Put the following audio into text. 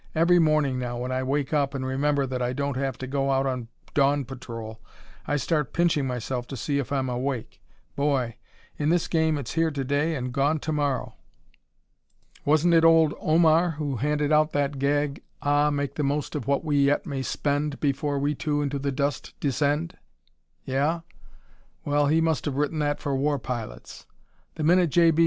Every morning now when I wake up and remember that I don't have to go out on dawn patrol I start pinching myself to see if I'm awake. Boy, in this game it's here to day and gone to morrow. Wasn't it old Omar who handed out that gag, 'Ah, make the most of what we yet may spend, before we too into the dust descend'?... Yeah? Well, he must have written that for war pilots. The minute J.B.